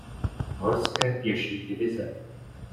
Horské pěší divize.